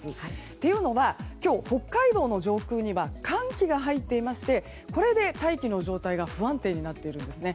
というのは北海道の上空には寒気が入っていましてこれで大気の状態が不安定になっているんですね。